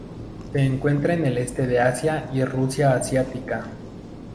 Se encuentra en el Este de Asia y Rusia asiática.